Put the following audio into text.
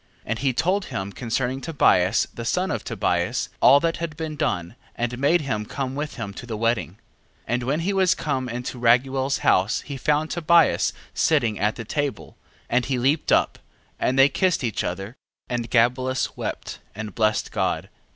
9:7. And he told him concerning Tobias the son of Tobias, all that had been done: and made him come with him to the wedding. 9:8. And when he was come into Raguel's house he found Tobias sitting at the table: and he leaped up, and they kissed each other: and Gabelus wept, and blessed God, 9:9.